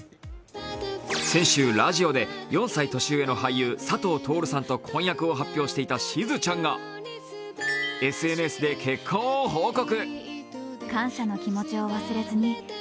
先週ラジオで４歳年上の俳優佐藤達さんと婚約を発表していたしずちゃんがＳＮＳで結婚を報告。